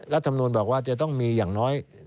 พี่บอกว่าจะต้องมีอย่างน้อย